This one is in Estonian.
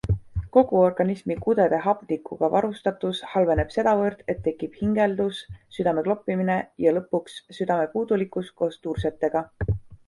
Kogu organismi kudede hapnikuga varustatus halveneb sedavõrd, et tekib hingeldus, südamekloppimine ja lõpuks südamepuudulikkus koos tursetega.